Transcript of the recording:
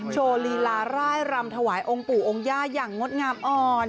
โชว์ลีลาร่ายรำถวายองค์ปู่องค์ย่าอย่างงดงามอ่อน